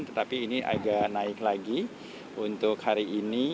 tetapi ini agak naik lagi untuk hari ini